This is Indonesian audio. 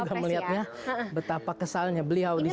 kita melihatnya betapa kesalnya beliau di sini